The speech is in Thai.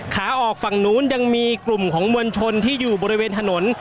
ขาออกฝั่งนู้นยังมีกลุ่มของมวลชนที่อยู่บริเวณถนน